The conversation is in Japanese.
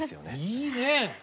いいね。